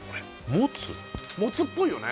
もつっぽいよね